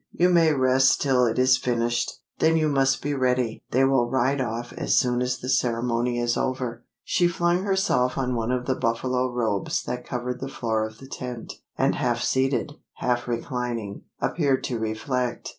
"You may rest till it is finished. Then you must be ready: they will ride off as soon as the ceremony is over." She flung herself on one of the buffalo robes that covered the floor of the tent; and half seated, half reclining, appeared to reflect.